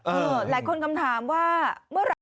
หลายคนคำถามว่าเมื่อไหร่